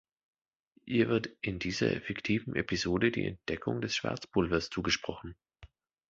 Ihr wird in dieser fiktiven Episode die Entdeckung des Schwarzpulvers zugesprochen.